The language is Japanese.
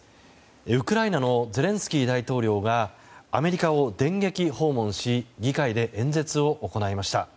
ウクライナのゼレンスキー大統領がアメリカを電撃訪問で議会で演説を行いました。